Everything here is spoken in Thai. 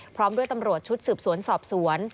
พร้อมด้วยตำรวจชุดสืบสวนสอบสวน